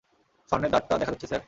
স্বর্ণের দাঁত টা দেখা যাচ্ছে স্যার।